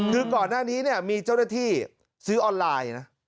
คือก่อนหน้านี้เนี่ยมีเจ้าหน้าที่ซื้อออนไลน์นะ